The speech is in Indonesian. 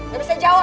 gak bisa jawab